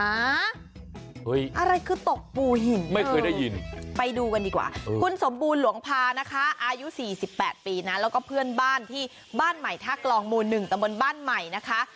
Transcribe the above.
อะไรคือตกปูหินไม่เคยได้ยินไปดูกันดีกว่าคุณสมบูรณ์หลวงพานะคะอายุ๔๘ปีนะแล้วก็เพื่อนบ้านที่บ้านใหม่ท่ากลองหมู่๑ตะบนบ้านใหม่นะคะ